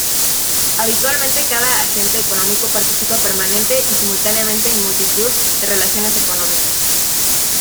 Habitualmente cada agente económico participa permanente y simultáneamente en multitud de relaciones económicas.